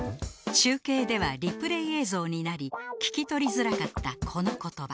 中継ではリプレー映像になり聞き取りづらかったこの言葉